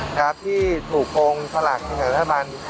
กราฟที่ถูกกงสลักที่เหนือรัฐบาล